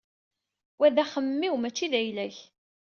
Wa d axemmem-iw mačči d ayla-k.